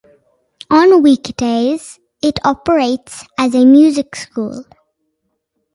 On weekdays, it operates as a music school.